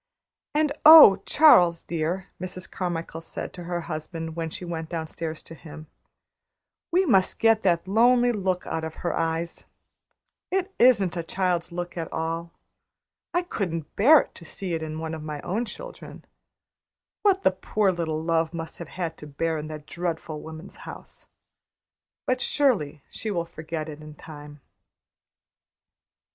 "And oh, Charles, dear," Mrs. Carmichael said to her husband, when she went downstairs to him, "We must get that lonely look out of her eyes! It isn't a child's look at all. I couldn't bear to see it in one of my own children. What the poor little love must have had to bear in that dreadful woman's house! But, surely, she will forget it in time."